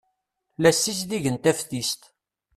La ssizdigen taftist.